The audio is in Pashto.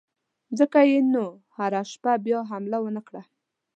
ځکه یې نو هغه شپه بیا حمله ونه کړه.